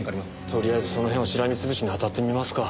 とりあえずその辺をしらみ潰しに当たってみますか。